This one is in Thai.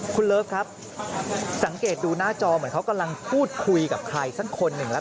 คุณเลิฟครับสังเกตดูหน้าจอเหมือนเขากำลังพูดคุยกับใครสักคนหนึ่งแล้ว